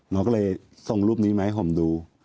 น้องก็เลยทรงรูปนี้มาให้ผมดู